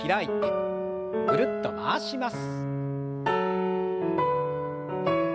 ぐるっと回します。